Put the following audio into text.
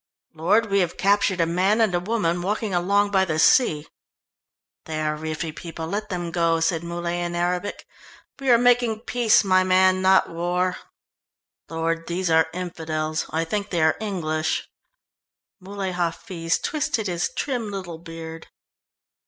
"Lord, we have captured a man and a woman walking along by the sea." "They are Riffi people let them go," said Muley in Arabic. "We are making peace, my man, not war." "Lord, these are infidels; I think they are English." Muley Hafiz twisted his trim little beard.